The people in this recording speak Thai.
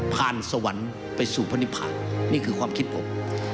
สวรรค์ไปสู่พนิพานี่คือความคิดผม